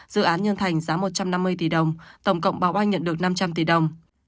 dự án nhân thành giá một trăm năm mươi tỷ đồng tổng cộng báo oanh nhận được năm trăm linh tỷ đồng